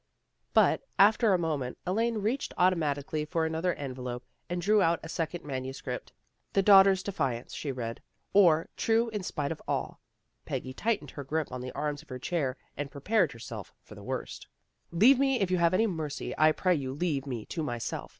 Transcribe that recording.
But, after a moment, Elaine reached automatically for an other envelope, and drew out a second manu script. " The Daughter's Defiance," she read, " Or, True in Spite of All." Peggy tightened her grip on the arms of her chair, and prepared herself for the worst. "' Leave me, if you have any mercy, I pray you leave me to myself.'